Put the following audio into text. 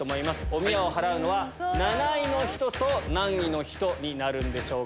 おみやを払うのは７位の人と何位の人になるんでしょうか？